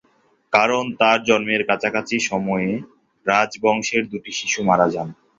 কারণ তার জন্মের কাছাকাছি সময়ে রাজবংশের দুটি শিশু মারা যান।